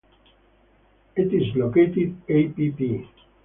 It is located app.